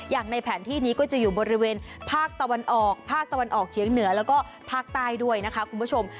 อย่างในแผนที่นี้ก็จะอยู่บริเวณภาคตะวันออกภาคตะวันออกเฉียงเหนือแล้วก็ภาคใต้ด้วยนะคะคุณผู้ชม